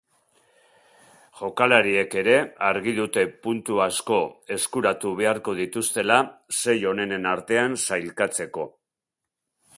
Jokalariek ere argi dute puntu asko eskuratu beharko dituztela sei onenen artean sailkatzeko.